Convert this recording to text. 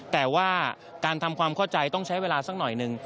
แต่ว่าการทำความเข้าใจต้องใช้เวลาสักหน่อยหนึ่ง